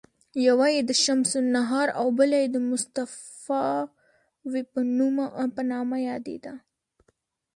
یوه یې د شمس النهار او بله یې د مصطفاوي په نامه یادیده.